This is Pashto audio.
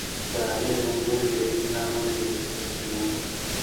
د هغې غومبوري د یخنۍ له امله بیخي سره شوي وو.